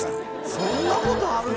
そんなことあるんだね。